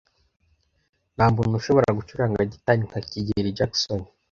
Nta muntu ushobora gucuranga gitari nka kigeli Jackson.